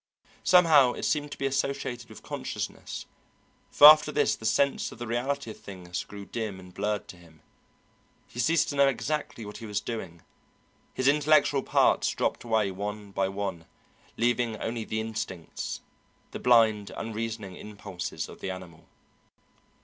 Somehow it seemed to be associated with consciousness, for after this the sense of the reality of things grew dim and blurred to him. He ceased to know exactly what he was doing. His intellectual parts dropped away one by one, leaving only the instincts, the blind, unreasoning impulses of the animal.